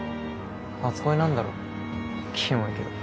初恋なんだろキモいけど。